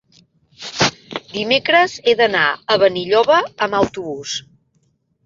Dimecres he d'anar a Benilloba amb autobús.